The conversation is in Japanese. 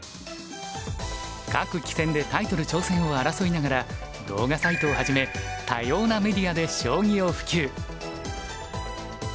各棋戦でタイトル挑戦を争いながら動画サイトをはじめ多様なメディアで将棋を普及。